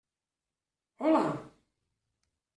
Hola!